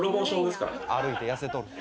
「歩いて痩せとる」